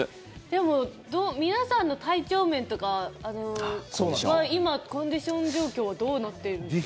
でも、皆さんの体調面とか今、コンディション状況はどうなっているんですか？